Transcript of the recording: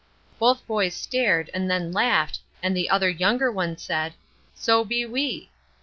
Both boys stared, and then laughed, and the other younger one said: "So be we."